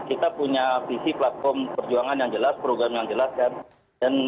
kita punya visi platform perjuangan yang jelas program yang jelas kan